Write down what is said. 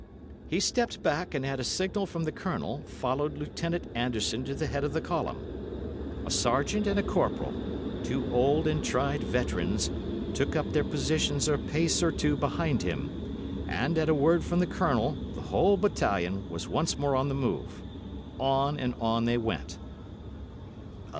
He stepped back, and, at a signal from the Colonel, followed Lieutenant Anderson to the head of the column. A sergeant and a corporal—two old and tried veterans—took up their positions a pace or two behind him, and, at a word from the Colonel, the whole battalion was once more on the move. On and on they went.